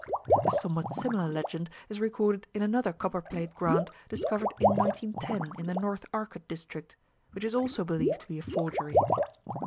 A somewhat similar legend is recorded in another copper plate grant discovered in 1910 in the North Arcot district, which is also believed to be a forgery.